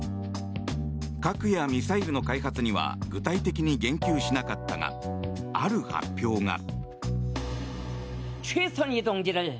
核やミサイルの開発には具体的に言及しなかったがある発表が。